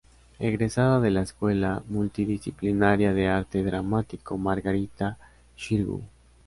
Egresada de la Escuela Multidisciplinaria de Arte Dramático Margarita Xirgu.